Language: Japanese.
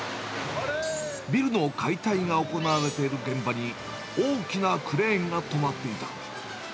ビルの解体が行われてる現場に、大きなクレーンが止まっていた。